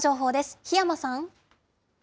檜山さん。